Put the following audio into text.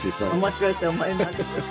面白いと思います。